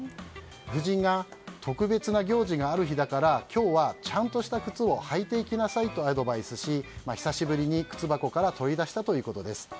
夫人が特別な行事がある日だから今日は、ちゃんとした靴を履いていきなさいとアドバイスし久しぶりに靴箱から取り出したということです。